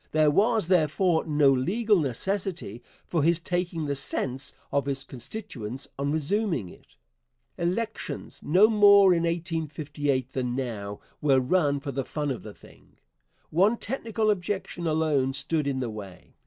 There was, therefore, no legal necessity for his taking the sense of his constituents on resuming it. Elections no more in 1858 than now were run for the fun of the thing. One technical objection alone stood in the way.